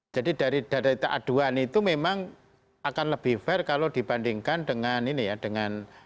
jadi dari aduan itu memang akan lebih fair kalau dibandingkan dengan ini ya